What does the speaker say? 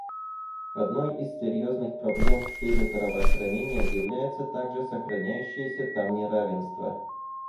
Одной из серьезных проблем в сфере здравоохранения является также сохраняющееся там неравенство.